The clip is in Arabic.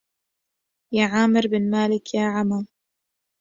يا عامر بن مالك يا عما